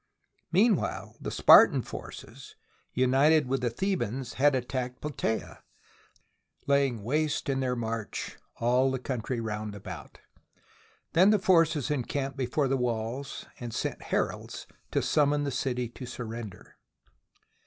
Meanwhile, the Spartan forces, united with the Thebans, had attacked Platsea, laying waste in their march all the country round about. Then the forces encamped before the walls and sent heralds to summon the city to surrender.